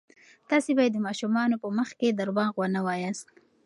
تاسې باید د ماشومانو په مخ کې درواغ ونه وایاست.